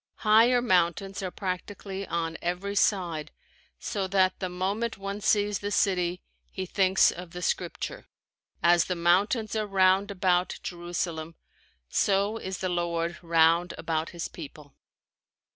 Higher mountains are practically on every side so that the moment one sees the city he thinks of the scripture, "As the mountains are round about Jerusalem, so is the Lord round about his people."